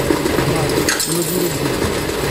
Mayk, D wayyi i d adlis-ik?